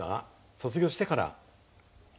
卒業してから。